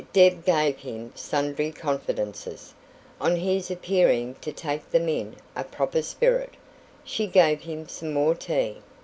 Deb gave him sundry confidences. On his appearing to take them in a proper spirit, she gave him some more tea.